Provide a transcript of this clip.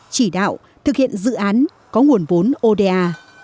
chỉ đạo thực hiện dự án có nguồn vốn oda